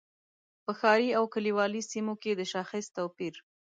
په ښاري او کلیوالي سیمو کې د شاخص توپیر.